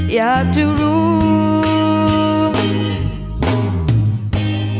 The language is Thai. อยากจะรู้